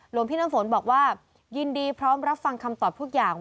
พี่น้ำฝนบอกว่ายินดีพร้อมรับฟังคำตอบทุกอย่าง